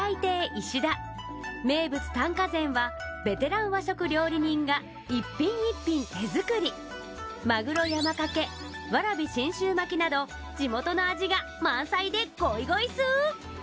いしだ名物短歌膳はベテラン和食料理人が一品一品手作りマグロ山かけわらび信州巻きなど地元の味が満載でゴイゴイスー！